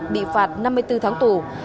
bị phạt năm mươi bốn tháng tù